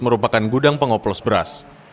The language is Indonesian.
merupakan gudang pengoplos beras